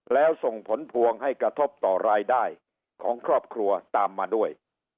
แล้วส่งผลพวงให้กระทบต่อรายได้ของครอบครัวตามมาด้วย